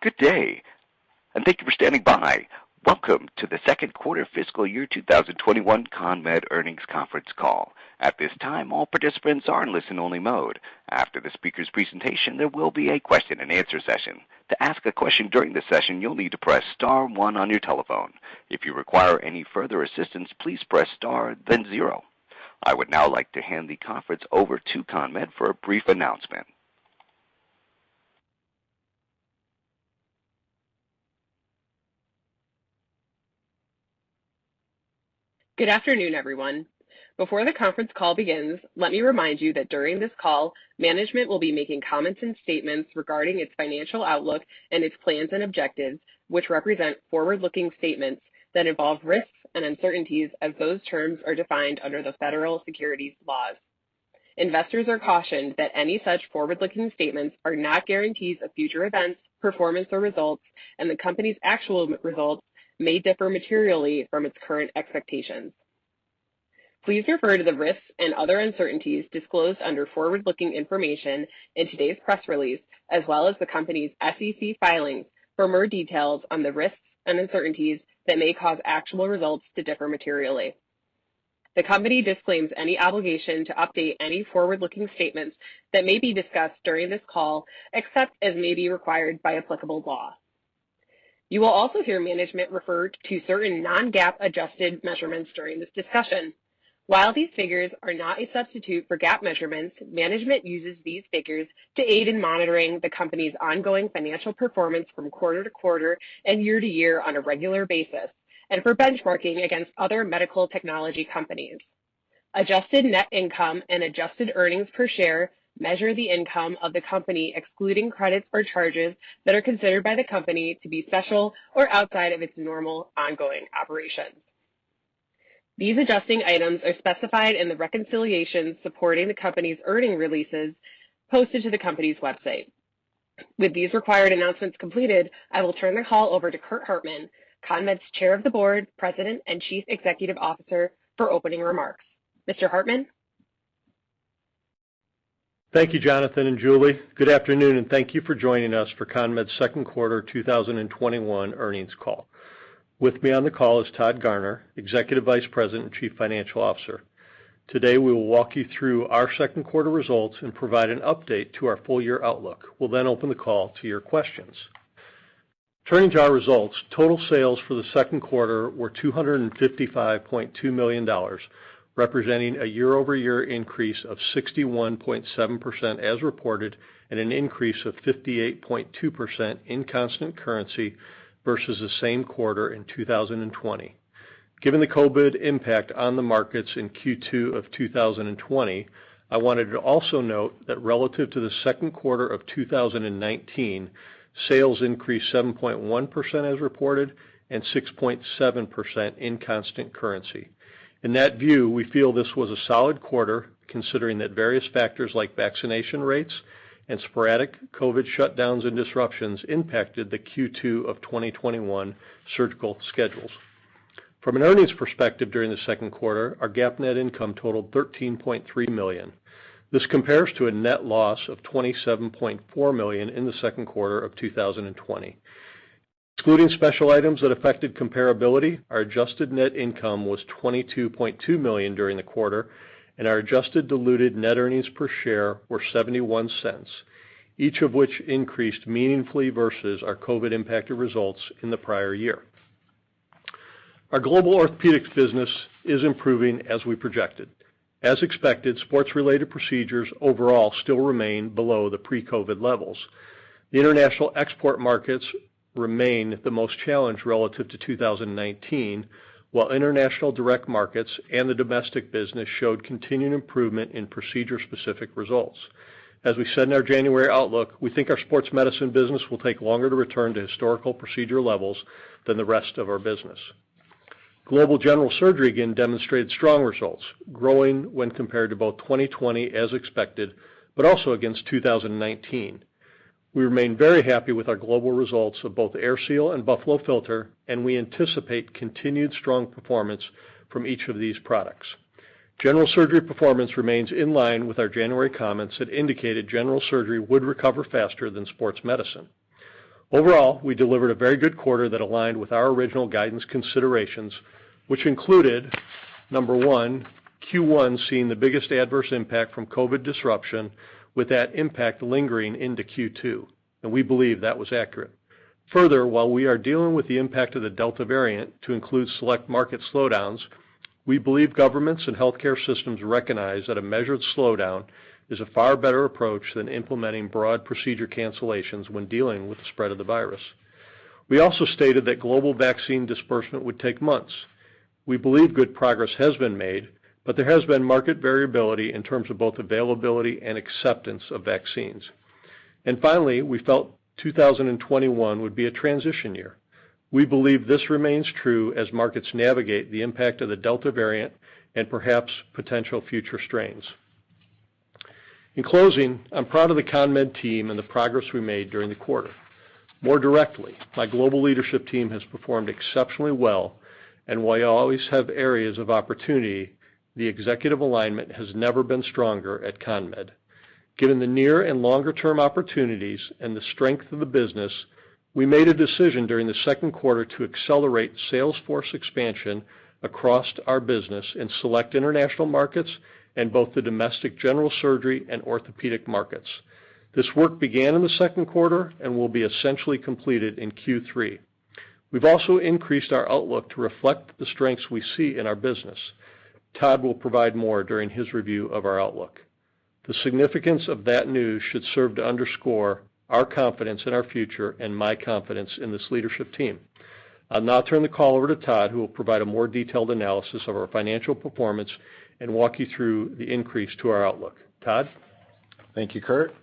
Good day, and thank you for standing by. Welcome to the second quarter fiscal year 2021 CONMED earnings conference call. At this time, all participants are in listen only mode. After the speaker's presentation, there will be a question-and-answer session. To ask a question during the session, you'll need to press star one on your telephone. If you require any further assistance, please press star, then zero. I would now like to hand the conference over to CONMED for a brief announcement. Good afternoon, everyone. Before the conference call begins, let me remind you that during this call, management will be making comments and statements regarding its financial outlook and its plans and objectives, which represent forward-looking statements that involve risks and uncertainties as those terms are defined under the federal securities laws. Investors are cautioned that any such forward-looking statements are not guarantees of future events, performance, or results and the company's actual results may differ materially from its current expectations. Please refer to the risks and other uncertainties disclosed under forward-looking information in today's press release, as well as the company's SEC filings for more details on the risks and uncertainties that may cause actual results to differ materially. The company disclaims any obligation to update any forward-looking statements that may be discussed during this call, except as may be required by applicable law. You will also hear management refer to certain non-GAAP adjusted measurements during this discussion. While these figures are not a substitute for GAAP measurements, management uses these figures to aid in monitoring the company's ongoing financial performance from quarter to quarter and year to year on a regular basis, and for benchmarking against other medical technology companies. Adjusted net income and adjusted earnings per share measure the income of the company excluding credits or charges that are considered by the company to be special or outside of its normal ongoing operations. These adjusting items are specified in the reconciliation supporting the company's earnings releases posted to the company's website. With these required announcements completed, I will turn the call over to Curt Hartman, CONMED's Chair of the Board, President, and Chief Executive Officer for opening remarks. Mr. Hartman? Thank you, Jonathan and Julie. Good afternoon, and thank you for joining us for CONMED's second quarter 2021 earnings call. With me on the call is Todd Garner, Executive Vice President and Chief Financial Officer. Today, we will walk you through our second quarter results and provide an update to our full-year outlook. We'll open the call to your questions. Turning to our results, total sales for the second quarter were $255.2 million, representing a year-over-year increase of 61.7% as reported and an increase of 58.2% in constant currency versus the same quarter in 2020. Given the COVID impact on the markets in Q2 of 2020, I wanted to also note that relative to the second quarter of 2019, sales increased 7.1% as reported and 6.7% in constant currency. In that view, we feel this was a solid quarter, considering that various factors like vaccination rates and sporadic COVID shutdowns and disruptions impacted the Q2 of 2021 surgical schedules. From an earnings perspective during the second quarter, our GAAP net income totaled $13.3 million. This compares to a net loss of $27.4 million in the second quarter of 2020. Excluding special items that affected comparability, our adjusted net income was $22.2 million during the quarter, and our adjusted diluted net earnings per share were $0.71, each of which increased meaningfully versus our COVID-impacted results in the prior year. Our global orthopedics business is improving as we projected. As expected, sports-related procedures overall still remain below the pre-COVID levels. The international export markets remain the most challenged relative to 2019, while international direct markets and the domestic business showed continued improvement in procedure-specific results. As we said in our January outlook, we think our sports medicine business will take longer to return to historical procedure levels than the rest of our business. Global general surgery again demonstrated strong results, growing when compared to both 2020 as expected, but also against 2019. We remain very happy with our global results of both AirSeal and Buffalo Filter, and we anticipate continued strong performance from each of these products. General surgery performance remains in line with our January comments that indicated general surgery would recover faster than sports medicine. Overall, we delivered a very good quarter that aligned with our original guidance considerations, which included, number one, Q1 seeing the biggest adverse impact from COVID disruption, with that impact lingering into Q2, and we believe that was accurate. Further, while we are dealing with the impact of the Delta variant to include select market slowdowns, we believe governments and healthcare systems recognize that a measured slowdown is a far better approach than implementing broad procedure cancellations when dealing with the spread of the virus. We also stated that global vaccine disbursement would take months. We believe good progress has been made, but there has been market variability in terms of both availability and acceptance of vaccines. Finally, we felt 2021 would be a transition year. We believe this remains true as markets navigate the impact of the Delta variant and perhaps potential future strains. In closing, I'm proud of the CONMED team and the progress we made during the quarter. More directly, my global leadership team has performed exceptionally well, and while we always have areas of opportunity, the executive alignment has never been stronger at CONMED. Given the near and longer-term opportunities and the strength of the business, we made a decision during the second quarter to accelerate sales force expansion across our business in select international markets and both the domestic general surgery and orthopedic markets. This work began in the second quarter and will be essentially completed in Q3. We've also increased our outlook to reflect the strengths we see in our business. Todd will provide more during his review of our outlook. The significance of that news should serve to underscore our confidence in our future and my confidence in this leadership team. I'll now turn the call over to Todd, who will provide a more detailed analysis of our financial performance and walk you through the increase to our outlook. Todd? Thank you, Curt.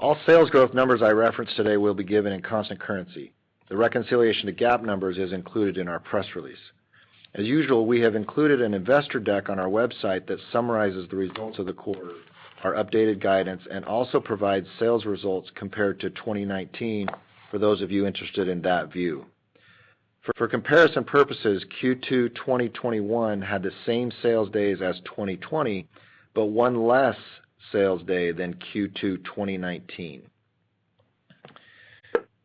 All sales growth numbers I reference today will be given in constant currency. The reconciliation to GAAP numbers is included in our press release. As usual, we have included an investor deck on our website that summarizes the results of the quarter, our updated guidance, and also provides sales results compared to 2019 for those of you interested in that view. For comparison purposes, Q2 2021 had the same sales days as 2020, but one less sales day than Q2 2019.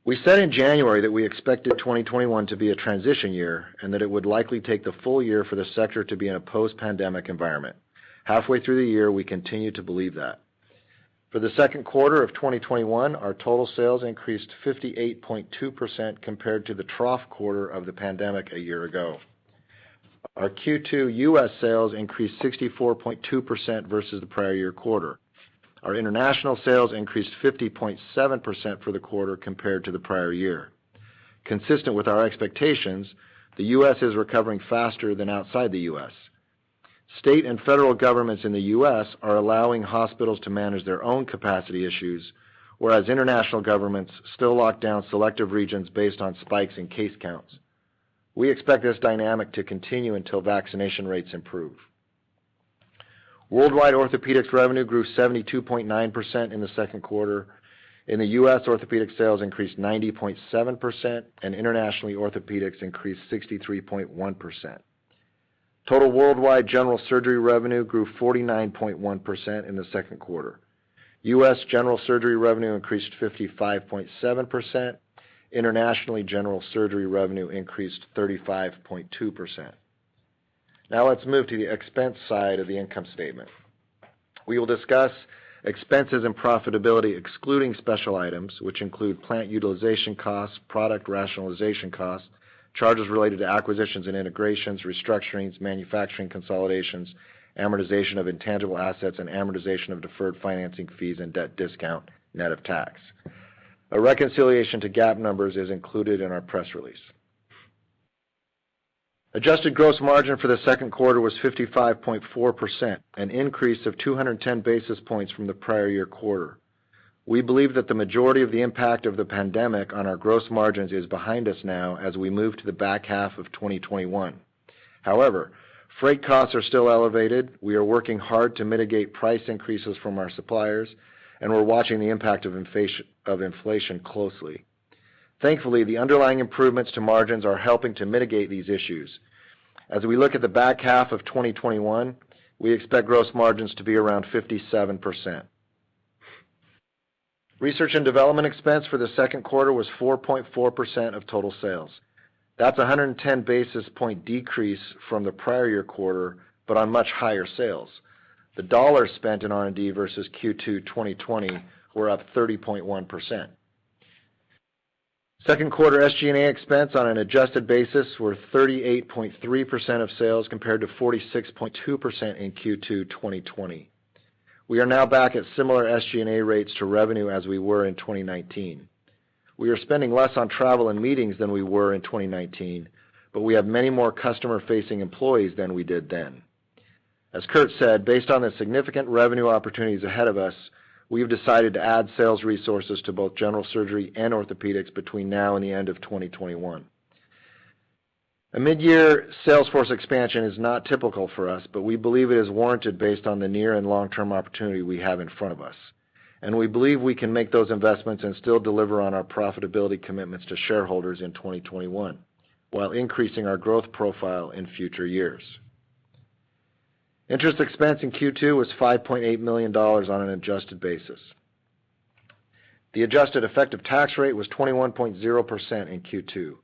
We said in January that we expected 2021 to be a transition year and that it would likely take the full year for the sector to be in a post-pandemic environment. Halfway through the year, we continue to believe that. For the second quarter of 2021, our total sales increased 58.2% compared to the trough quarter of the pandemic a year ago. Our Q2 U.S. sales increased 64.2% versus the prior year quarter. Our international sales increased 50.7% for the quarter compared to the prior year. Consistent with our expectations, the U.S. is recovering faster than outside the U.S. State and federal governments in the U.S. are allowing hospitals to manage their own capacity issues, whereas international governments still lock down selective regions based on spikes in case counts. We expect this dynamic to continue until vaccination rates improve. Worldwide orthopedics revenue grew 72.9% in the second quarter. In the U.S., orthopedic sales increased 90.7%, and internationally, orthopedics increased 63.1%. Total worldwide general surgery revenue grew 49.1% in the second quarter. U.S. general surgery revenue increased 55.7%. Internationally, general surgery revenue increased 35.2%. Now let's move to the expense side of the income statement. We will discuss expenses and profitability excluding special items, which include plant utilization costs, product rationalization costs, charges related to acquisitions and integrations, restructurings, manufacturing consolidations, amortization of intangible assets, and amortization of deferred financing fees and debt discount, net of tax. A reconciliation to GAAP numbers is included in our press release. Adjusted gross margin for the second quarter was 55.4%, an increase of 210 basis points from the prior year quarter. However, freight costs are still elevated. We are working hard to mitigate price increases from our suppliers, and we're watching the impact of inflation closely. Thankfully, the underlying improvements to margins are helping to mitigate these issues. As we look at the back half of 2021, we expect gross margins to be around 57%. Research and development expense for the second quarter was 4.4% of total sales. That's a 110 basis point decrease from the prior year quarter, but on much higher sales. The dollars spent in R&D versus Q2 2020 were up 30.1%. Second quarter SG&A expense on an adjusted basis were 38.3% of sales, compared to 46.2% in Q2 2020. We are now back at similar SG&A rates to revenue as we were in 2019. We are spending less on travel and meetings than we were in 2019, but we have many more customer-facing employees than we did then. As Curt said, based on the significant revenue opportunities ahead of us, we have decided to add sales resources to both general surgery and orthopedics between now and the end of 2021. A mid-year sales force expansion is not typical for us, but we believe it is warranted based on the near and long-term opportunity we have in front of us. We believe we can make those investments and still deliver on our profitability commitments to shareholders in 2021 while increasing our growth profile in future years. Interest expense in Q2 was $5.8 million on an adjusted basis. The adjusted effective tax rate was 21.0% in Q2.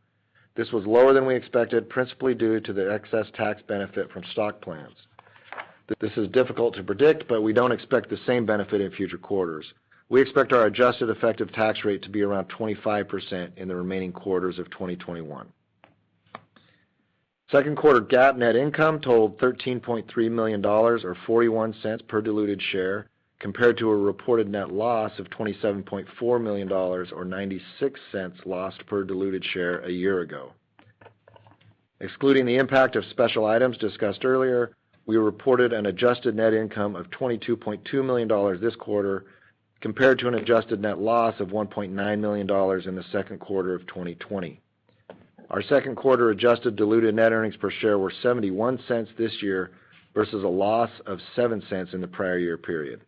This was lower than we expected, principally due to the excess tax benefit from stock plans. This is difficult to predict, but we don't expect the same benefit in future quarters. We expect our adjusted effective tax rate to be around 25% in the remaining quarters of 2021. Second quarter GAAP net income totaled $13.3 million, or $0.41 per diluted share, compared to a reported net loss of $27.4 million, or $0.96 lost per diluted share, a year ago. Excluding the impact of special items discussed earlier, we reported an adjusted net income of $22.2 million this quarter, compared to an adjusted net loss of $1.9 million in the second quarter of 2020. Our second quarter adjusted diluted net earnings per share were $0.71 this year versus a loss of $0.07 in the prior year period.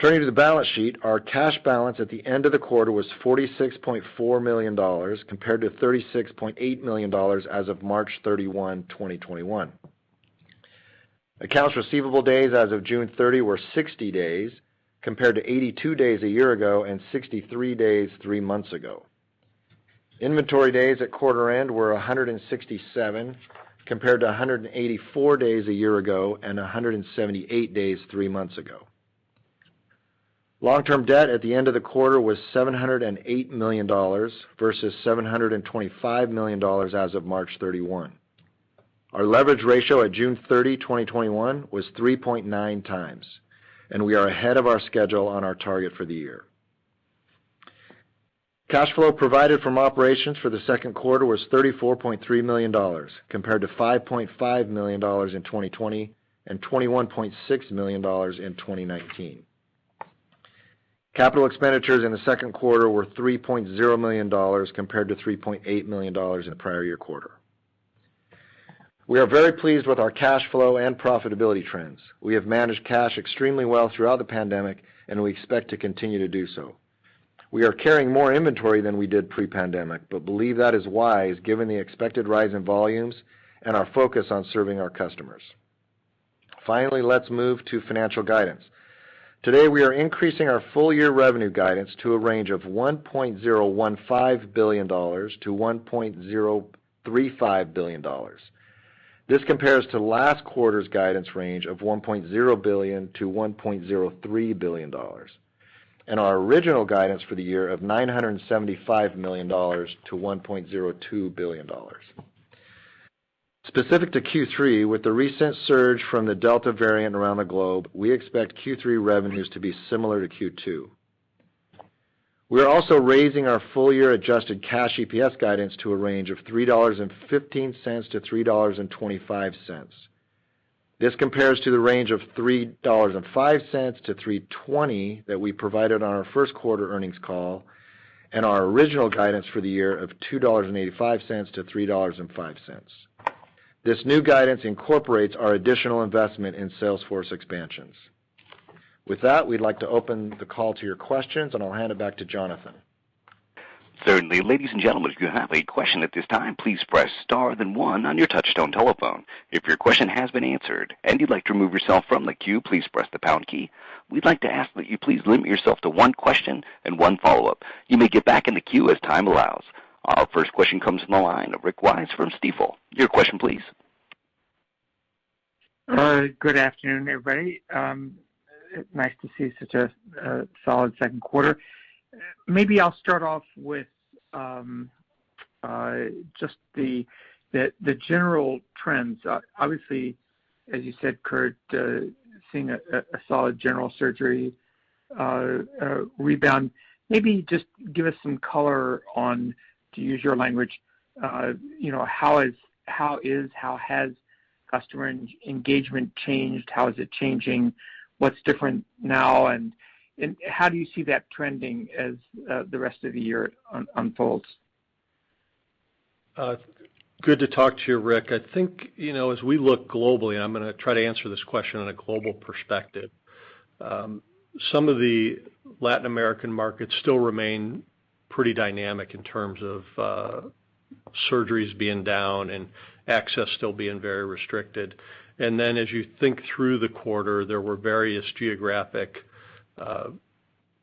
Turning to the balance sheet, our cash balance at the end of the quarter was $46.4 million, compared to $36.8 million as of March 31, 2021. Accounts receivable days as of June 30 were 60 days, compared to 82 days a year ago and 63 days three months ago. Inventory days at quarter end were 167, compared to 184 days a year ago and 178 days three months ago. Long-term debt at the end of the quarter was $708 million versus $725 million as of March 31. Our leverage ratio at June 30, 2021, was 3.9x, and we are ahead of our schedule on our target for the year. Cash flow provided from operations for the second quarter was $34.3 million, compared to $5.5 million in 2020 and $21.6 million in 2019. Capital expenditures in the second quarter were $3.0 million compared to $3.8 million in the prior year quarter. We are very pleased with our cash flow and profitability trends. We have managed cash extremely well throughout the pandemic, and we expect to continue to do so. We are carrying more inventory than we did pre-pandemic, but believe that is wise given the expected rise in volumes and our focus on serving our customers. Finally, let's move to financial guidance. Today, we are increasing our full-year revenue guidance to a range of $1.015 billion-$1.035 billion. This compares to last quarter's guidance range of $1.0 billion-$1.03 billion, and our original guidance for the year of $975 million-$1.02 billion. Specific to Q3, with the recent surge from the Delta variant around the globe, we expect Q3 revenues to be similar to Q2. We are also raising our full-year adjusted cash EPS guidance to a range of $3.15-$3.25. This compares to the range of $3.05-$3.20 that we provided on our first quarter earnings call, and our original guidance for the year of $2.85-$3.05. This new guidance incorporates our additional investment in sales force expansions. With that, we'd like to open the call to your questions, and I'll hand it back to Jonathan. Certainly. Ladies and gentlemen, if you have a question at this time, please press star then one on your touchtone telephone. If your question has been answered and you'd like to remove yourself from the queue, please press the pound key. We'd like to ask that you please limit yourself to one question and one follow-up. You may get back in the queue as time allows. Our first question comes from the line of Rick Wise from Stifel. Your question please. Good afternoon, everybody. Nice to see such a solid second quarter. Maybe I'll start off with just the general trends. Obviously, as you said, Curt, seeing a solid general surgery rebound. Maybe just give us some color on, to use your language, how has customer engagement changed? How is it changing? What's different now, and how do you see that trending as the rest of the year unfolds? Good to talk to you, Rick. I think as we look globally, I'm going to try to answer this question on a global perspective. Some of the Latin American markets still remain pretty dynamic in terms of surgeries being down and access still being very restricted. As you think through the quarter, there were various geographic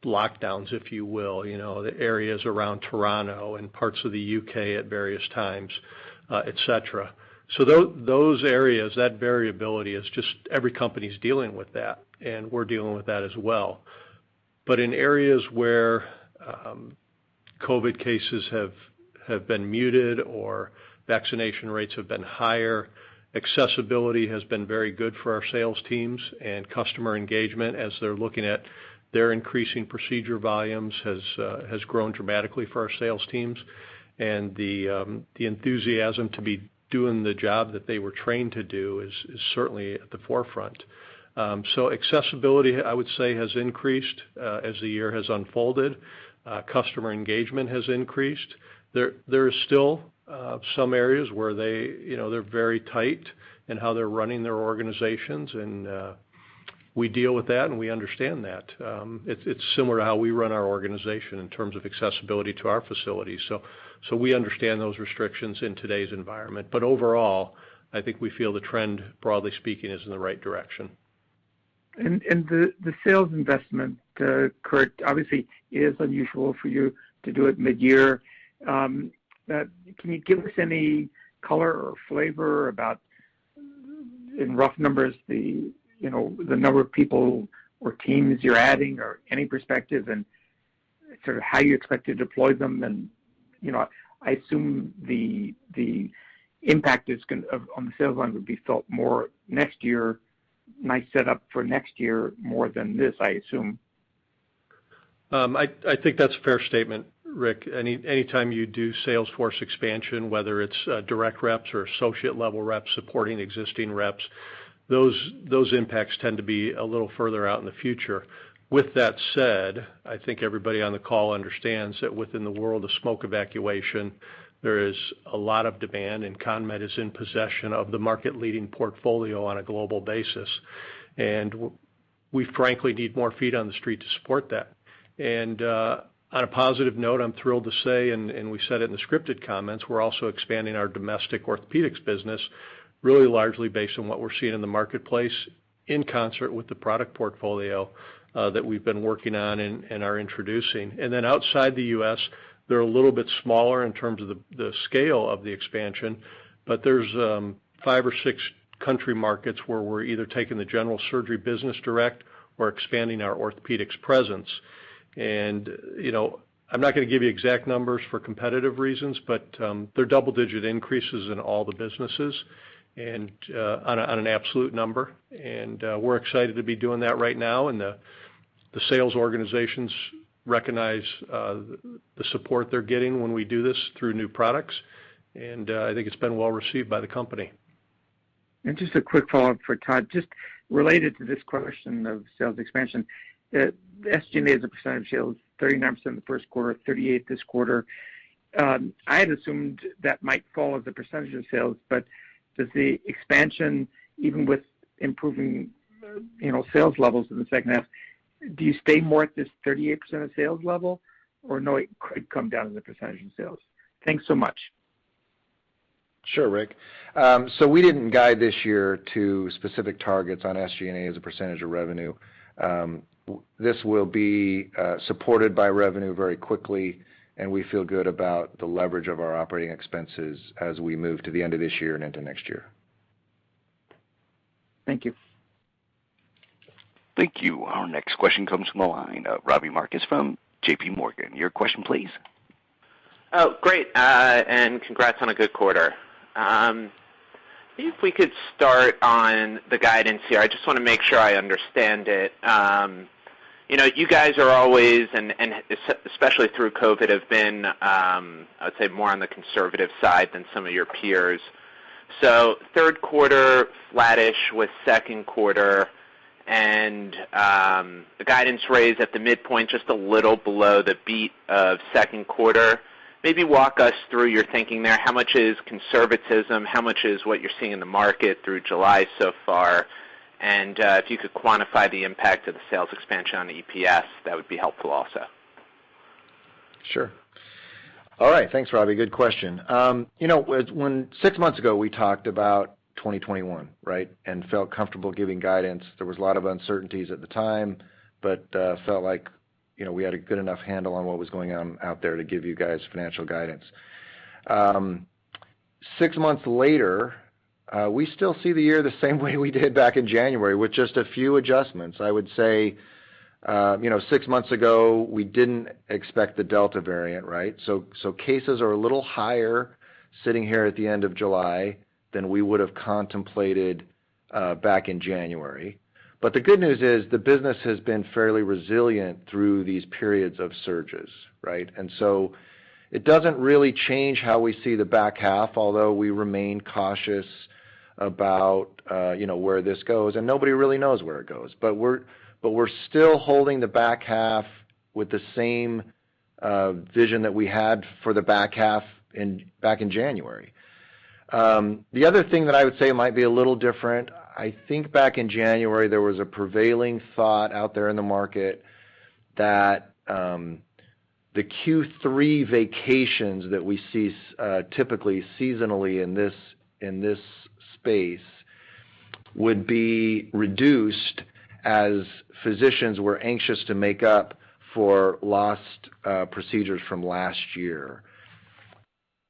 lockdowns, if you will, the areas around Toronto and parts of the U.K. at various times, et cetera. Those areas, that variability is just every company's dealing with that, and we're dealing with that as well. In areas where COVID cases have been muted or vaccination rates have been higher, accessibility has been very good for our sales teams and customer engagement as they're looking at their increasing procedure volumes has grown dramatically for our sales teams. The enthusiasm to be doing the job that they were trained to do is certainly at the forefront. Accessibility, I would say, has increased as the year has unfolded. Customer engagement has increased. There are still some areas where they're very tight in how they're running their organizations, and we deal with that, and we understand that. It's similar to how we run our organization in terms of accessibility to our facilities. We understand those restrictions in today's environment. Overall, I think we feel the trend, broadly speaking, is in the right direction. The sales investment, Curt, obviously it is unusual for you to do it mid-year. Can you give us any color or flavor about, in rough numbers, the number of people or teams you're adding or any perspective and sort of how you expect to deploy them? I assume the impact on the sales line would be felt more next year, might set up for next year more than this, I assume. I think that's a fair statement, Rick. Anytime you do sales force expansion, whether it's direct reps or associate-level reps supporting existing reps. Those impacts tend to be a little further out in the future. With that said, I think everybody on the call understands that within the world of smoke evacuation, there is a lot of demand, and CONMED is in possession of the market-leading portfolio on a global basis. We frankly need more feet on the street to support that. On a positive note, I'm thrilled to say, and we said it in the scripted comments, we're also expanding our domestic orthopedics business, really largely based on what we're seeing in the marketplace in concert with the product portfolio that we've been working on and are introducing. Outside the U.S., they're a little bit smaller in terms of the scale of the expansion, but there's five or six country markets where we're either taking the general surgery business direct or expanding our orthopedics presence. I'm not going to give you exact numbers for competitive reasons, but they're double-digit increases in all the businesses and on an absolute number, and we're excited to be doing that right now, and the sales organizations recognize the support they're getting when we do this through new products. I think it's been well-received by the company. Just a quick follow-up for Todd, just related to this question of sales expansion. SG&A as a percent of sales, 39% in the first quarter, 38% this quarter. I had assumed that might fall as a percent of sales, does the expansion, even with improving sales levels in the second half, do you stay more at this 38% of sales level, or no, it could come down as a percent in sales? Thanks so much. Sure, Rick. We didn't guide this year to specific targets on SG&A as a percentage of revenue. This will be supported by revenue very quickly, and we feel good about the leverage of our operating expenses as we move to the end of this year and into next year. Thank you. Thank you. Our next question comes from the line of Robbie Marcus from JPMorgan. Your question, please. Oh, great, and congrats on a good quarter. If we could start on the guidance here, I just want to make sure I understand it. You guys are always, and especially through COVID, have been, I would say, more on the conservative side than some of your peers. Third quarter, flattish with second quarter, and the guidance raised at the midpoint just a little below the beat of second quarter. Maybe walk us through your thinking there. How much is conservatism? How much is what you're seeing in the market through July so far? If you could quantify the impact of the sales expansion on the EPS, that would be helpful also. Sure. All right. Thanks, Robbie. Good question. Six months ago, we talked about 2021, right? Felt comfortable giving guidance. There was a lot of uncertainties at the time, felt like we had a good enough handle on what was going on out there to give you guys financial guidance. Six months later, we still see the year the same way we did back in January, with just a few adjustments. I would say, six months ago, we didn't expect the Delta variant, right? Cases are a little higher sitting here at the end of July than we would have contemplated back in January. The good news is, the business has been fairly resilient through these periods of surges, right? It doesn't really change how we see the back half, although we remain cautious about where this goes, and nobody really knows where it goes. We're still holding the back half with the same vision that we had for the back half back in January. The other thing that I would say might be a little different, I think back in January, there was a prevailing thought out there in the market that the Q3 vacations that we see typically seasonally in this space would be reduced as physicians were anxious to make up for lost procedures from last year.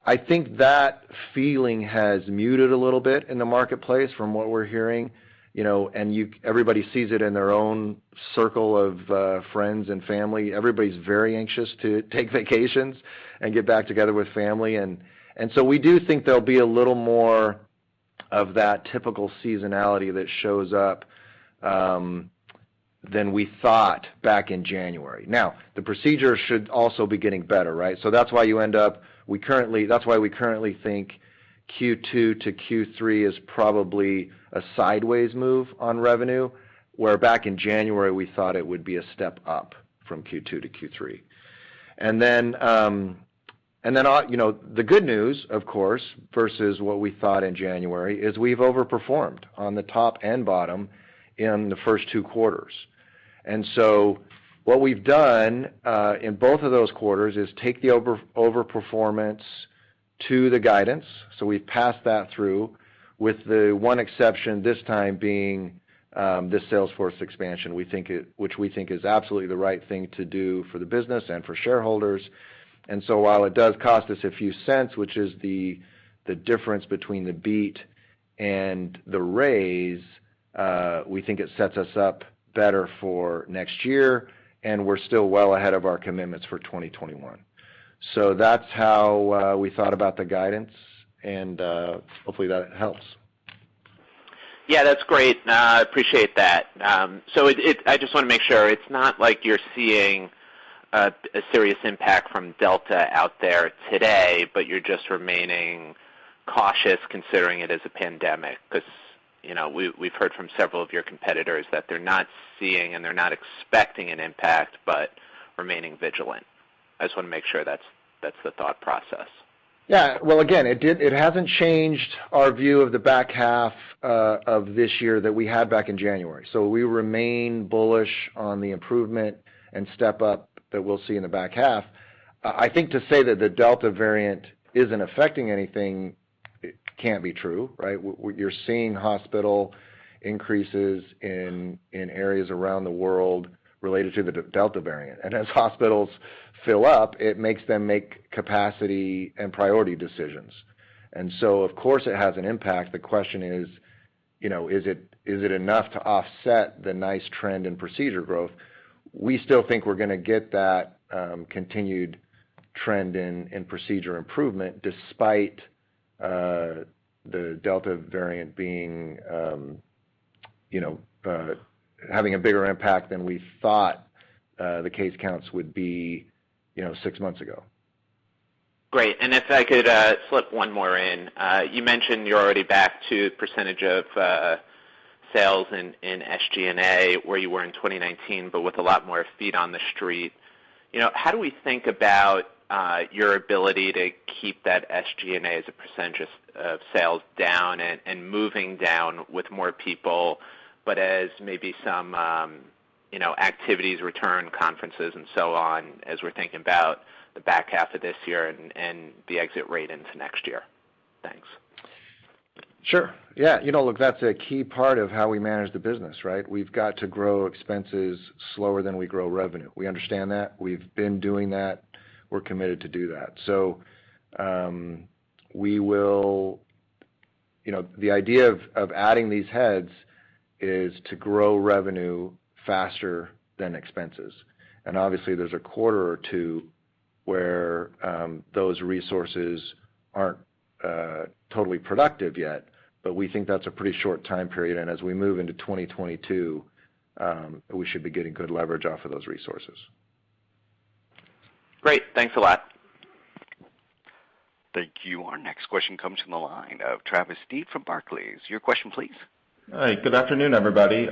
I think that feeling has muted a little bit in the marketplace from what we're hearing, and everybody sees it in their own circle of friends and family. Everybody's very anxious to take vacations and get back together with family. So we do think there'll be a little more of that typical seasonality that shows up than we thought back in January. Now, the procedure should also be getting better, right? That's why we currently think Q2 to Q3 is probably a sideways move on revenue, where back in January, we thought it would be a step up from Q2 to Q3. The good news, of course, versus what we thought in January, is we've overperformed on the top and bottom in the first two quarters. What we've done in both of those quarters is take the overperformance to the guidance. We've passed that through with the one exception this time being this sales force expansion, which we think is absolutely the right thing to do for the business and for shareholders. While it does cost us a few cents, which is the difference between the beat and the raise, we think it sets us up better for next year, and we're still well ahead of our commitments for 2021. That's how we thought about the guidance, and hopefully, that helps. Yeah, that's great. I appreciate that. I just want to make sure, it's not like you're seeing a serious impact from Delta out there today, but you're just remaining cautious considering it is a pandemic, because we've heard from several of your competitors that they're not seeing and they're not expecting an impact, but remaining vigilant. I just want to make sure that's the thought process. Well, again, it hasn't changed our view of the back half of this year that we had back in January. We remain bullish on the improvement and step up that we'll see in the back half. I think to say that the Delta variant isn't affecting anything can't be true, right? You're seeing hospital increases in areas around the world related to the Delta variant. As hospitals fill up, it makes them make capacity and priority decisions. Of course it has an impact. The question is: Is it enough to offset the nice trend in procedure growth? We still think we're going to get that continued trend in procedure improvement despite the Delta variant having a bigger impact than we thought the case counts would be six months ago. Great. If I could slip one more in. You mentioned you're already back to percentage of sales in SG&A where you were in 2019, but with a lot more feet on the street. How do we think about your ability to keep that SG&A as a percentage of sales down and moving down with more people, but as maybe some activities return, conferences and so on, as we're thinking about the back half of this year and the exit rate into next year? Thanks. Sure. Yeah. Look, that's a key part of how we manage the business, right? We've got to grow expenses slower than we grow revenue. We understand that. We've been doing that. We're committed to do that. The idea of adding these heads is to grow revenue faster than expenses. Obviously there's a quarter or two where those resources aren't totally productive yet, but we think that's a pretty short time period, and as we move into 2022, we should be getting good leverage off of those resources. Great. Thanks a lot. Thank you. Our next question comes from the line of Travis Steed from Barclays. Your question, please. Hi. Good afternoon, everybody. You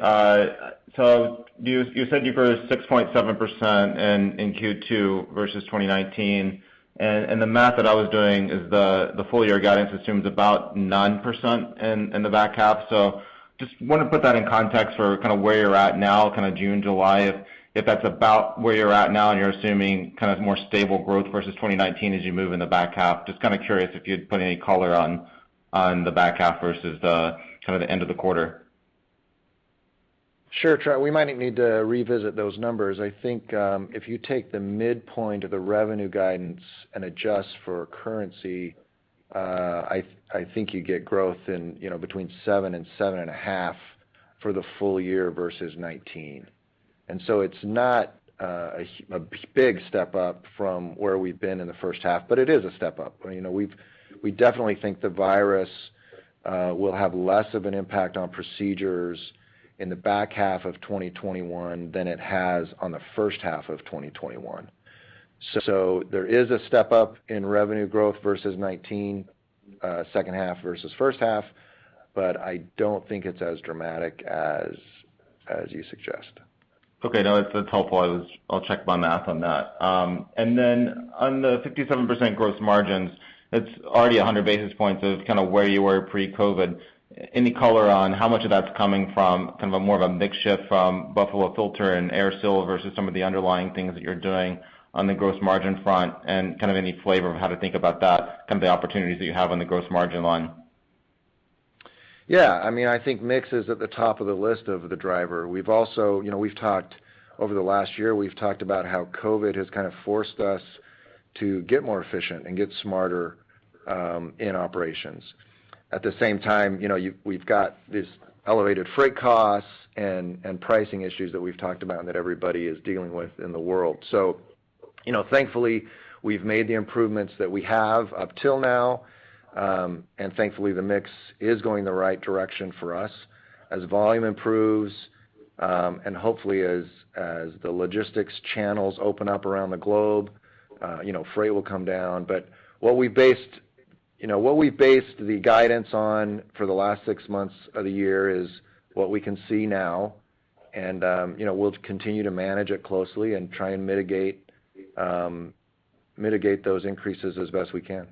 said you were 6.7% in Q2 versus 2019, and the math that I was doing is the full year guidance assumes about 9% in the back half. Just want to put that in context for kind of where you're at now, kind of June, July, if that's about where you're at now and you're assuming kind of more stable growth versus 2019 as you move in the back half. Just kind of curious if you'd put any color on the back half versus the kind of the end of the quarter. Sure, Trav. We might need to revisit those numbers. I think if you take the midpoint of the revenue guidance and adjust for currency, I think you get growth in between 7% and 7.5% for the full year versus 2019. It's not a big step up from where we've been in the first half, but it is a step up. We definitely think the virus will have less of an impact on procedures in the back half of 2021 than it has on the first half of 2021. There is a step up in revenue growth versus 2019, second half versus first half, but I don't think it's as dramatic as you suggest. Okay. No, that's helpful. I'll check my math on that. Then on the 57% gross margins, that's already 100 basis points of kind of where you were pre-COVID. Any color on how much of that's coming from kind of a more of a mix shift from Buffalo Filter and AirSeal versus some of the underlying things that you're doing on the gross margin front? Kind of any flavor of how to think about that, kind of the opportunities that you have on the gross margin line? I think mix is at the top of the list of the driver. Over the last year, we've talked about how COVID has kind of forced us to get more efficient and get smarter in operations. At the same time, we've got these elevated freight costs and pricing issues that we've talked about and that everybody is dealing with in the world. Thankfully, we've made the improvements that we have up till now, and thankfully, the mix is going the right direction for us. As volume improves, and hopefully as the logistics channels open up around the globe, freight will come down. What we based the guidance on for the last six months of the year is what we can see now, and we'll continue to manage it closely and try and mitigate those increases as best we can.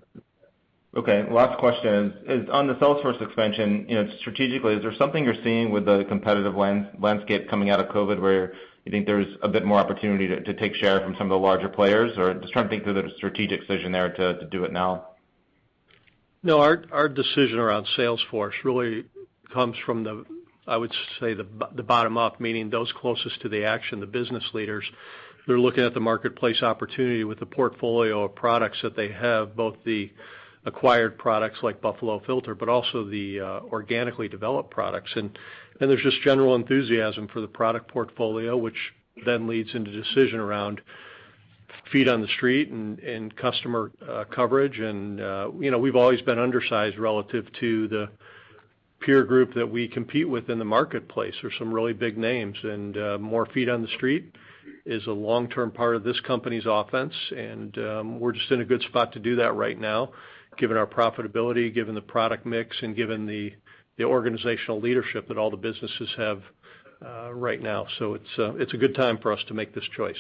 Okay. Last question is on the sales force expansion. Strategically, is there something you're seeing with the competitive landscape coming out of COVID where you think there's a bit more opportunity to take share from some of the larger players? Just trying to think through the strategic vision there to do it now. No, our decision around sales force really comes from the, I would say, the bottom up, meaning those closest to the action, the business leaders. They're looking at the marketplace opportunity with the portfolio of products that they have, both the acquired products like Buffalo Filter, but also the organically developed products. There's just general enthusiasm for the product portfolio, which then leads into decision around feet on the street and customer coverage. We've always been undersized relative to the peer group that we compete with in the marketplace are some really big names, and more feet on the street is a long-term part of this company's offense. We're just in a good spot to do that right now, given our profitability, given the product mix, and given the organizational leadership that all the businesses have right now. It's a good time for us to make this choice.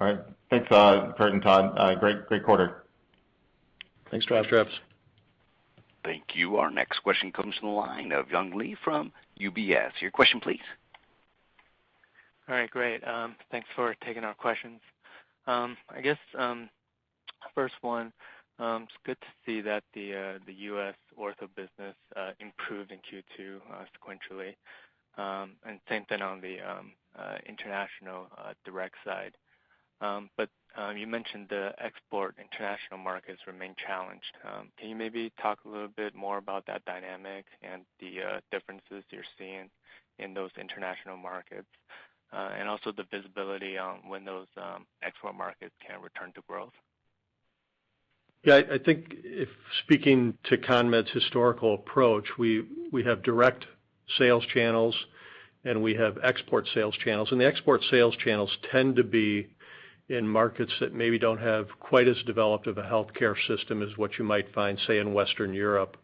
All right. Thanks, Curt and Todd. Great quarter. Thanks, Travis. Thank you. Our next question comes from the line of Young Li from UBS. Your question, please. All right, great. Thanks for taking our questions. I guess, first one, it's good to see that the U.S. ortho business improved in Q2 sequentially, and same thing on the international direct side. You mentioned the export international markets remain challenged. Can you maybe talk a little bit more about that dynamic and the differences you're seeing in those international markets, and also the visibility on when those export markets can return to growth? Yeah, I think if speaking to CONMED's historical approach, we have direct sales channels and we have export sales channels. The export sales channels tend to be in markets that maybe don't have quite as developed of a healthcare system as what you might find, say, in Western Europe.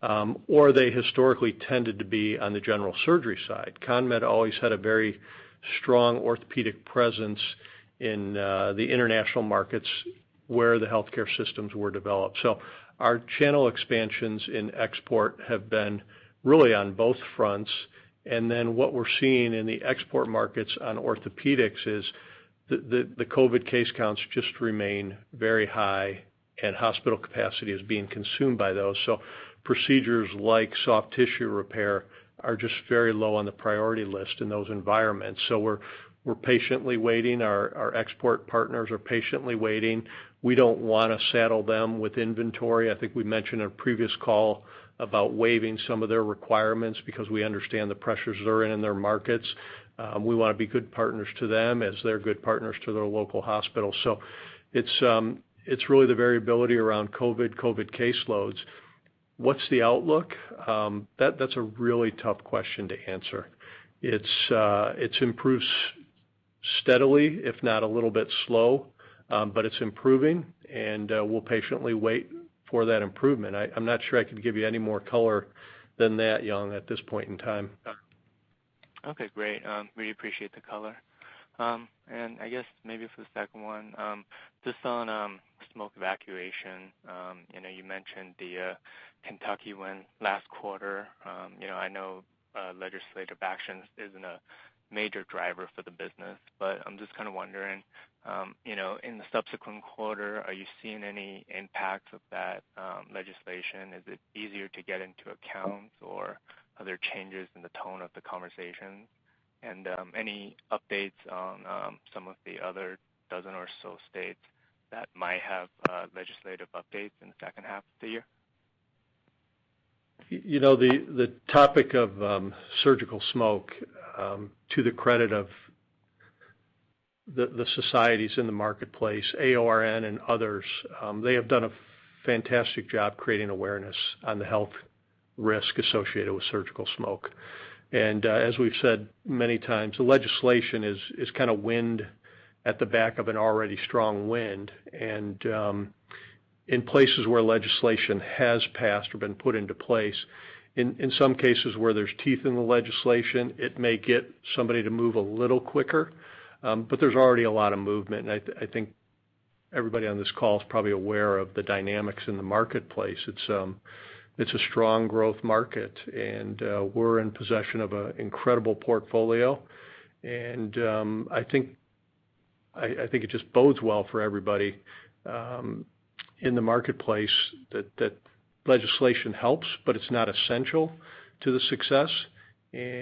They historically tended to be on the general surgery side. CONMED always had a very strong orthopedic presence in the international markets where the healthcare systems were developed. Our channel expansions in export have been really on both fronts. What we're seeing in the export markets on orthopedics is the COVID case counts just remain very high, and hospital capacity is being consumed by those. Procedures like soft tissue repair are just very low on the priority list in those environments. We're patiently waiting. Our export partners are patiently waiting. We don't want to saddle them with inventory. I think we mentioned on a previous call about waiving some of their requirements because we understand the pressures they're in in their markets. We want to be good partners to them as they're good partners to their local hospitals. It's really the variability around COVID caseloads. What's the outlook? That's a really tough question to answer. It improves steadily, if not a little bit slow, but it's improving, and we'll patiently wait for that improvement. I'm not sure I could give you any more color than that, Young, at this point in time. Okay, great. Really appreciate the color. I guess maybe for the second one, just on smoke evacuation, I know you mentioned the Kentucky one last quarter. I know legislative action isn't a major driver for the business, but I'm just kind of wondering, in the subsequent quarter, are you seeing any impacts of that legislation? Is it easier to get into accounts or are there changes in the tone of the conversation? Any updates on some of the other dozen or so states that might have legislative updates in the second half of the year? The topic of surgical smoke, to the credit of the societies in the marketplace, AORN and others, they have done a fantastic job creating awareness on the health risk associated with surgical smoke. As we've said many times, the legislation is kind of wind at the back of an already strong wind. In places where legislation has passed or been put into place, in some cases where there's teeth in the legislation, it may get somebody to move a little quicker. There's already a lot of movement, and I think everybody on this call is probably aware of the dynamics in the marketplace. It's a strong growth market, and we're in possession of an incredible portfolio. I think it just bodes well for everybody in the marketplace that legislation helps, but it's not essential to the success. There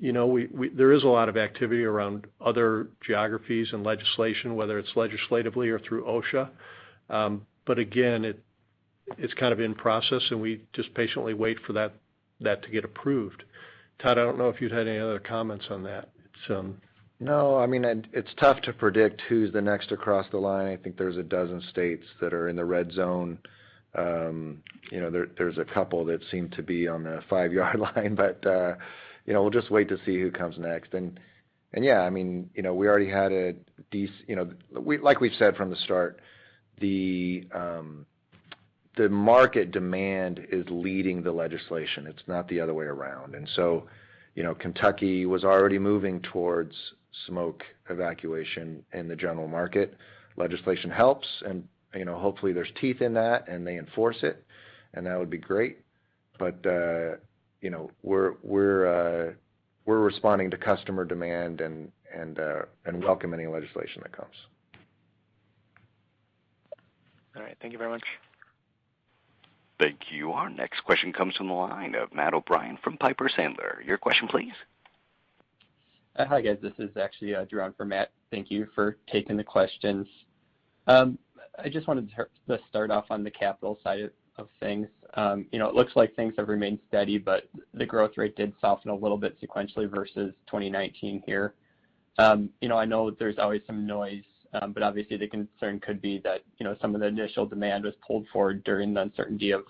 is a lot of activity around other geographies and legislation, whether it's legislatively or through OSHA. Again, it's kind of in process, and we just patiently wait for that to get approved. Todd, I don't know if you had any other comments on that. No, it's tough to predict who's the next to cross the line. I think there's 12 states that are in the red zone. There's a couple that seem to be on the five-yard line, but we'll just wait to see who comes next. Yeah, like we've said from the start, the market demand is leading the legislation. It's not the other way around. Kentucky was already moving towards smoke evacuation in the general market. Legislation helps and hopefully there's teeth in that and they enforce it, and that would be great. We're responding to customer demand and welcome any legislation that comes. All right. Thank you very much. Thank you. Our next question comes from the line of Matt O'Brien from Piper Sandler. Your question, please. Hi, guys. This is actually Drew on for Matt. Thank you for taking the questions. I just wanted to start off on the capital side of things. It looks like things have remained steady. The growth rate did soften a little bit sequentially versus 2019 here. I know there's always some noise. Obviously the concern could be that some of the initial demand was pulled forward during the uncertainty of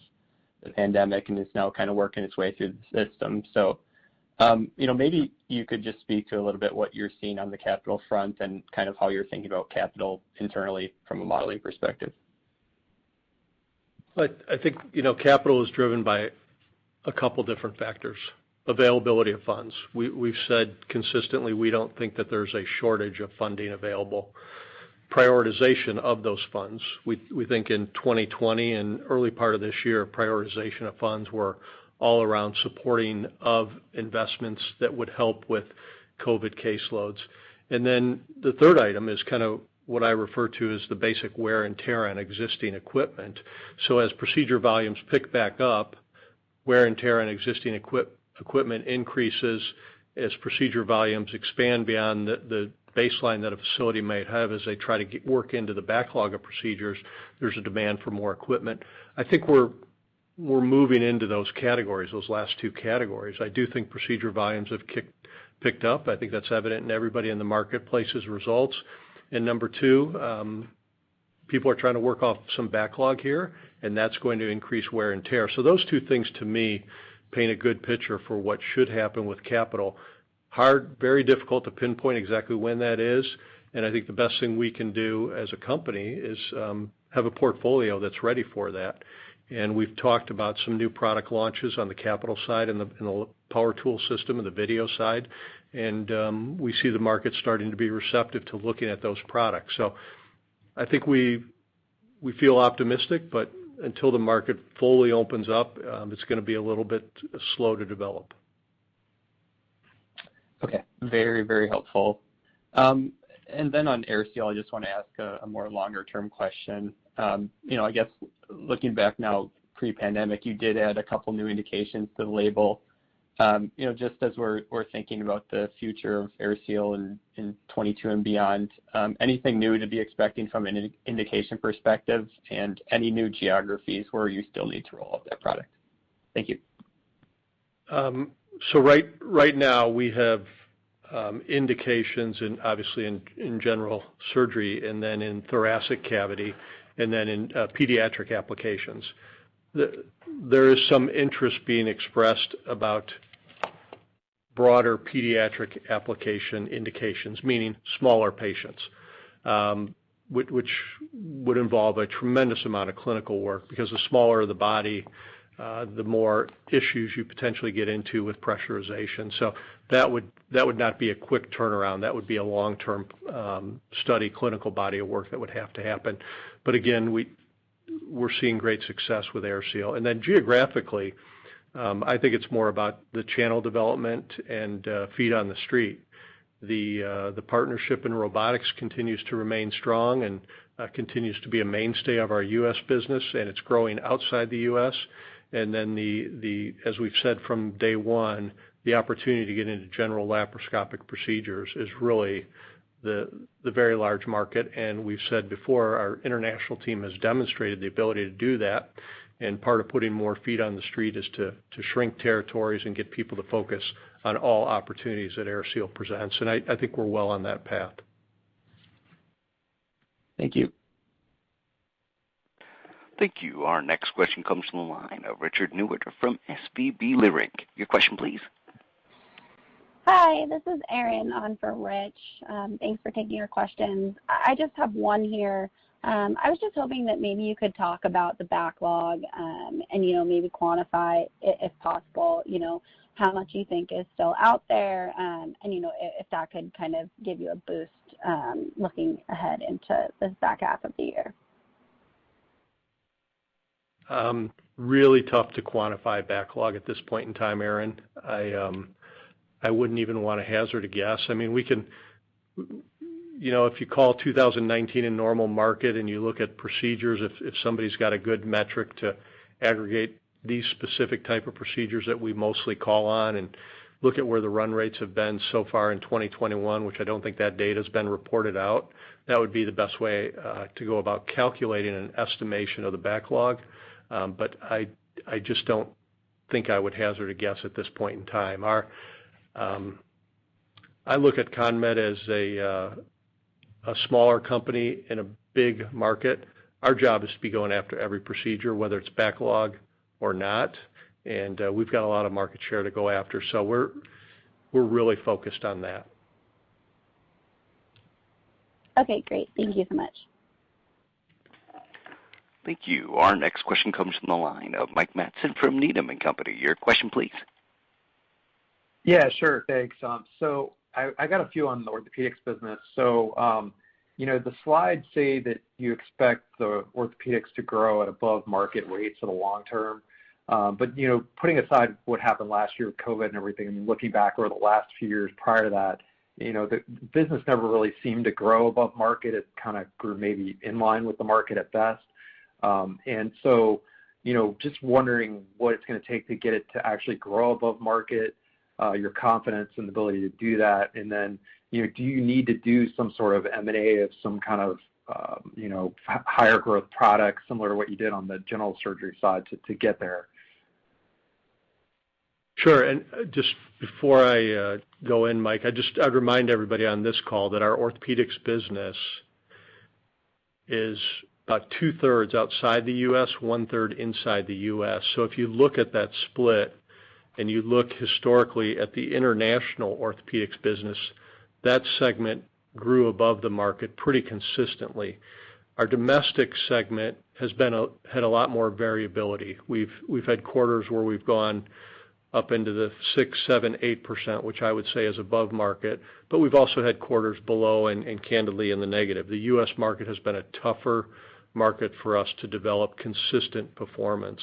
the pandemic and is now kind of working its way through the system. Maybe you could just speak to a little bit what you're seeing on the capital front and how you're thinking about capital internally from a modeling perspective. I think capital is driven by a couple different factors. Availability of funds. We've said consistently we don't think that there's a shortage of funding available. Prioritization of those funds. We think in 2020 and early part of this year, prioritization of funds were all around supporting of investments that would help with COVID caseloads. The third item is kind of what I refer to as the basic wear and tear on existing equipment. As procedure volumes pick back up, wear and tear on existing equipment increases as procedure volumes expand beyond the baseline that a facility might have as they try to work into the backlog of procedures, there's a demand for more equipment. I think we're moving into those categories, those last two categories. I do think procedure volumes have picked up. I think that's evident in everybody in the marketplace's results. Number two, people are trying to work off some backlog here, and that's going to increase wear and tear. Those two things to me paint a good picture for what should happen with capital. Hard, very difficult to pinpoint exactly when that is, and I think the best thing we can do as a company is have a portfolio that's ready for that. We've talked about some new product launches on the capital side and the power tool system and the video side, and we see the market starting to be receptive to looking at those products. I think we feel optimistic, but until the market fully opens up, it's going to be a little bit slow to develop. Okay. Very helpful. On AirSeal, I just want to ask a more longer-term question. I guess looking back now pre-pandemic, you did add a couple new indications to the label. Just as we're thinking about the future of AirSeal in 2022 and beyond, anything new to be expecting from an indication perspective and any new geographies where you still need to roll out that product? Thank you. Right now we have indications obviously in general surgery and then in thoracic cavity and then in pediatric applications. There is some interest being expressed about broader pediatric application indications, meaning smaller patients, which would involve a tremendous amount of clinical work because the smaller the body, the more issues you potentially get into with pressurization. That would not be a quick turnaround. That would be a long-term study, clinical body of work that would have to happen. Again, we're seeing great success with AirSeal. Geographically, I think it's more about the channel development and feet on the street. The partnership in robotics continues to remain strong and continues to be a mainstay of our U.S. business, and it's growing outside the U.S. As we've said from day one, the opportunity to get into general laparoscopic procedures is really the very large market, and we've said before, our international team has demonstrated the ability to do that, and part of putting more feet on the street is to shrink territories and get people to focus on all opportunities that AirSeal presents. I think we're well on that path. Thank you. Thank you. Our next question comes from the line of Richard Newitter from SVB Leerink. Your question, please. Hi, this is Erin on for Rich. Thanks for taking our questions. I just have one here. I was just hoping that maybe you could talk about the backlog, and maybe quantify it if possible, how much you think is still out there, and if that could kind of give you a boost, looking ahead into the back half of the year. Really tough to quantify backlog at this point in time, Erin. I wouldn't even want to hazard a guess. If you call 2019 a normal market and you look at procedures, if somebody's got a good metric to aggregate these specific type of procedures that we mostly call on and look at where the run rates have been so far in 2021, which I don't think that data's been reported out, that would be the best way to go about calculating an estimation of the backlog. I just don't think I would hazard a guess at this point in time. I look at CONMED as a smaller company in a big market. Our job is to be going after every procedure, whether it's backlog or not, and we've got a lot of market share to go after. We're really focused on that. Okay, great. Thank you so much. Thank you. Our next question comes from the line of Mike Matson from Needham & Company. Your question, please. Yeah, sure. Thanks. I got a few on the orthopedics business. The slides say that you expect the orthopedics to grow at above market rates in the long term. Putting aside what happened last year with COVID and everything and looking back over the last few years prior to that, the business never really seemed to grow above market. It kind of grew maybe in line with the market at best. Just wondering what it's going to take to get it to actually grow above market, your confidence and ability to do that, and then do you need to do some sort of M&A of some kind of higher growth product, similar to what you did on the general surgery side to get there? Sure. Just before I go in, Mike, I'd remind everybody on this call that our orthopedics business is about 2/3 outside the U.S., 1/3 inside the U.S. If you look at that split, and you look historically at the international orthopedics business, that segment grew above the market pretty consistently. Our domestic segment has had a lot more variability. We've had quarters where we've gone up into the 6%, 7%, 8%, which I would say is above market, but we've also had quarters below and candidly in the negative. The U.S. market has been a tougher market for us to develop consistent performance.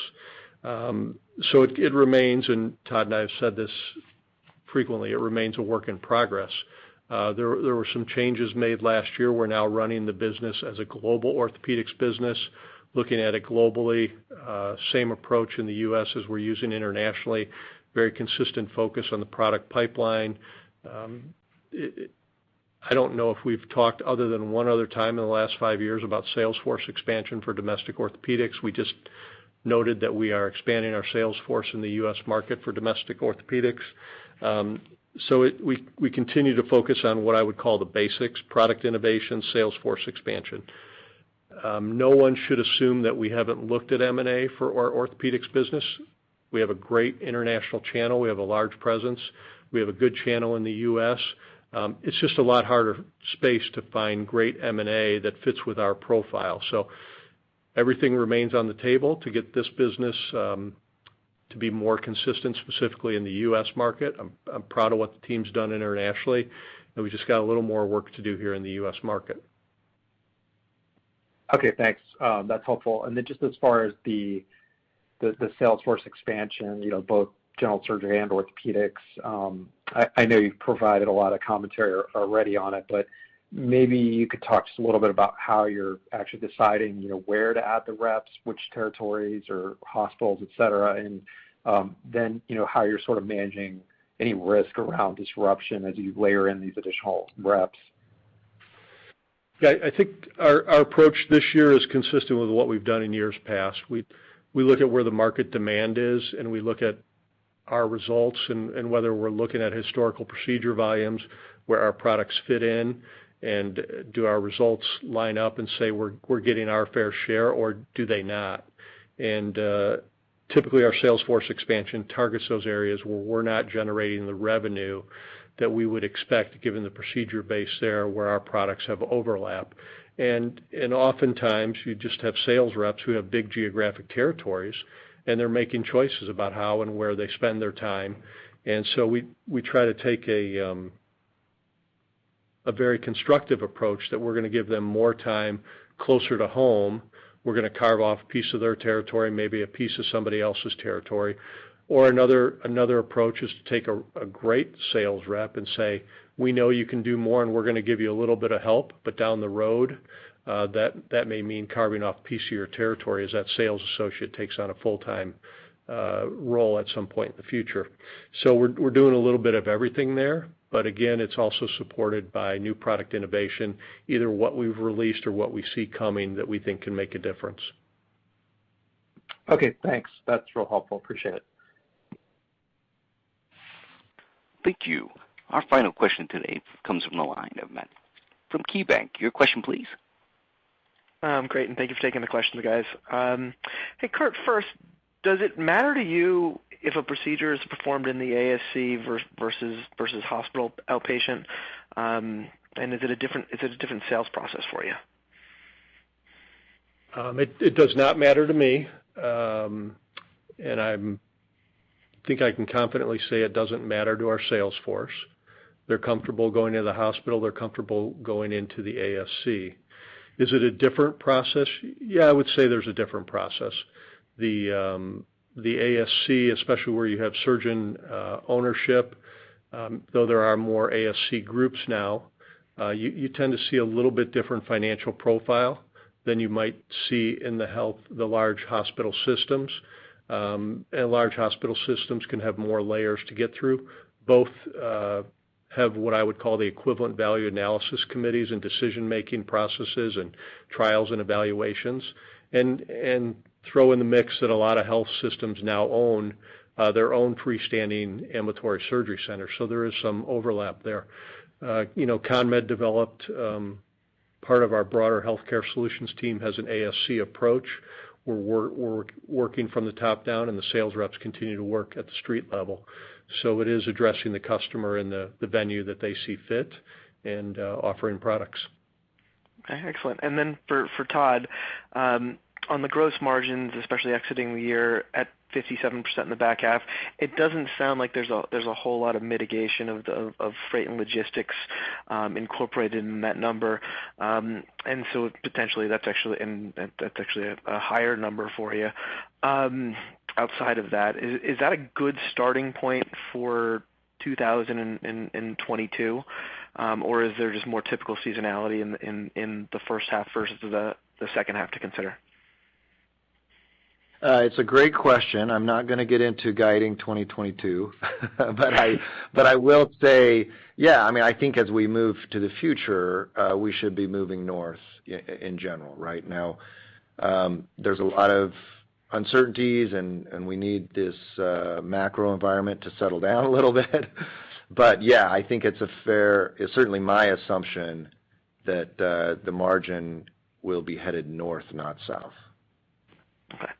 It remains, and Todd and I have said this frequently, it remains a work in progress. There were some changes made last year. We're now running the business as a global orthopedics business, looking at it globally. Same approach in the U.S. as we're using internationally, very consistent focus on the product pipeline. I don't know if we've talked other than one other time in the last five years about sales force expansion for domestic orthopedics. We just noted that we are expanding our sales force in the U.S. market for domestic orthopedics. We continue to focus on what I would call the basics, product innovation, sales force expansion. No one should assume that we haven't looked at M&A for our orthopedics business. We have a great international channel. We have a large presence. We have a good channel in the U.S. It's just a lot harder space to find great M&A that fits with our profile. Everything remains on the table to get this business to be more consistent, specifically in the U.S. market. I'm proud of what the team's done internationally, and we've just got a little more work to do here in the U.S. market. Okay, thanks. That is helpful. Just as far as the sales force expansion, both general surgery and orthopedics, I know you have provided a lot of commentary already on it, but maybe you could talk just a little bit about how you are actually deciding where to add the reps, which territories or hospitals, et cetera, and then how you are sort of managing any risk around disruption as you layer in these additional reps. Yeah, I think our approach this year is consistent with what we've done in years past. We look at where the market demand is, and we look at our results and whether we're looking at historical procedure volumes, where our products fit in, and do our results line up and say we're getting our fair share or do they not? Typically, our sales force expansion targets those areas where we're not generating the revenue that we would expect given the procedure base there where our products have overlap. Oftentimes, you just have sales reps who have big geographic territories, and they're making choices about how and where they spend their time. So we try to take a very constructive approach that we're going to give them more time closer to home. We're going to carve off a piece of their territory, maybe a piece of somebody else's territory. Another approach is to take a great sales rep and say, "We know you can do more, and we're going to give you a little bit of help." Down the road, that may mean carving off a piece of your territory as that sales associate takes on a full-time role at some point in the future. We're doing a little bit of everything there. Again, it's also supported by new product innovation, either what we've released or what we see coming that we think can make a difference. Okay, thanks. That's real helpful. Appreciate it. Thank you. Our final question today comes from the line of Matt from KeyBanc. Your question, please. Great, thank you for taking the questions, guys. Hey, Curt, first, does it matter to you if a procedure is performed in the ASC versus hospital outpatient? Is it a different sales process for you? It does not matter to me, and I think I can confidently say it doesn't matter to our sales force. They're comfortable going into the hospital. They're comfortable going into the ASC. Is it a different process? Yeah, I would say there's a different process. The ASC, especially where you have surgeon ownership, though there are more ASC groups now, you tend to see a little bit different financial profile than you might see in the large hospital systems. Large hospital systems can have more layers to get through. Both have what I would call the equivalent value analysis committees and decision-making processes and trials and evaluations. Throw in the mix that a lot of health systems now own their own freestanding ambulatory surgery center. There is some overlap there. CONMED developed part of our broader healthcare solutions team has an ASC approach, where we're working from the top down, and the sales reps continue to work at the street level. It is addressing the customer in the venue that they see fit and offering products. Okay, excellent. For Todd, on the gross margins, especially exiting the year at 57% in the back half, it doesn't sound like there's a whole lot of mitigation of freight and logistics incorporated in that number. Potentially, that's actually a higher number for you. Outside of that, is that a good starting point for 2022? Is there just more typical seasonality in the first half versus the second half to consider? It's a great question. I'm not going to get into guiding 2022 but I will say, yeah, I think as we move to the future, we should be moving north in general, right? Now, there's a lot of uncertainties, and we need this macro environment to settle down a little bit. Yeah, it's certainly my assumption that the margin will be headed north, not south. Okay.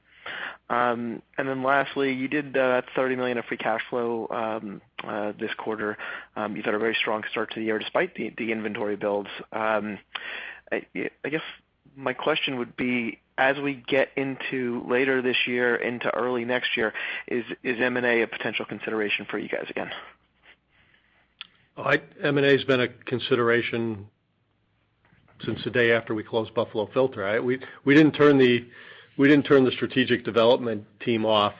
Lastly, you did $30 million of free cash flow this quarter. You've had a very strong start to the year despite the inventory builds. I guess my question would be, as we get into later this year, into early next year, is M&A a potential consideration for you guys again? M&A has been a consideration since the day after we closed Buffalo Filter. We didn't turn the strategic development team off,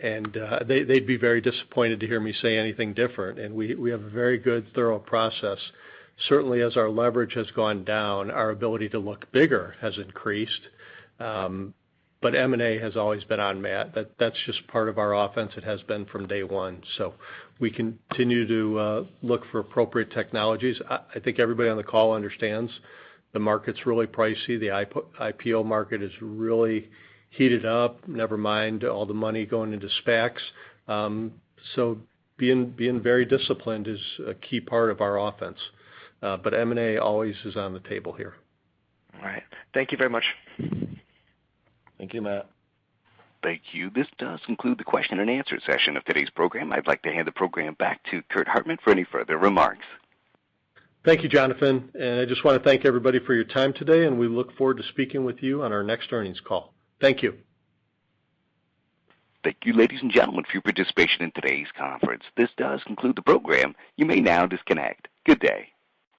and they'd be very disappointed to hear me say anything different. We have a very good, thorough process. Certainly, as our leverage has gone down, our ability to look bigger has increased. M&A has always been on, Matt. That's just part of our offense. It has been from day one. We continue to look for appropriate technologies. I think everybody on the call understands the market's really pricey. The IPO market is really heated up, never mind all the money going into SPACs. Being very disciplined is a key part of our offense. M&A always is on the table here. All right. Thank you very much. Thank you, Matt. Thank you. This does conclude the question-and-answer session of today's program. I'd like to hand the program back to Curt Hartman for any further remarks. Thank you, Jonathan. I just want to thank everybody for your time today, and we look forward to speaking with you on our next earnings call. Thank you. Thank you, ladies and gentlemen, for your participation in today's conference. This does conclude the program. You may now disconnect. Good day.